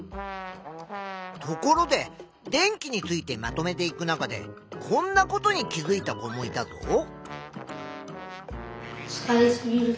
ところで電気についてまとめていく中でこんなことに気づいた子もいたぞ。